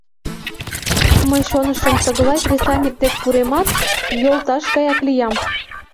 Мый шонышым, тыглай кресаньык дек пуремат, йолташ гаяк лиям.